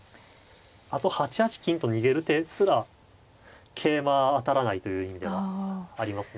あと８八金と逃げる手すら桂馬当たらないという意味ではありますね。